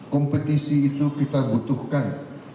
kompetisi itu kita butuhkan